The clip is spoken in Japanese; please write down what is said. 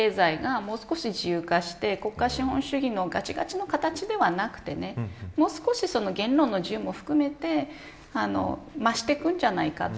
経済がもう少し自由化して国家資本主義のがちがちの形ではなくもう少し言論の自由も含めて増していくんじゃないかと。